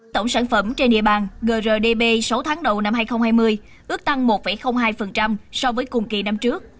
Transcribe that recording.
tổng sản phẩm trên địa bàn grdp sáu tháng đầu năm hai nghìn hai mươi ước tăng một hai so với cùng kỳ năm trước